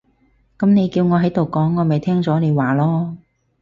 噉你叫我喺度講，我咪聽咗你話囉